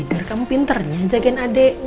tidur kamu pinternya jagain adeknya